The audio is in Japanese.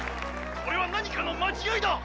これは何かの間違いだ！